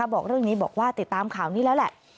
บอกเรื่องนี้บอกว่าติดตามข่าวนี้แล้วแหละ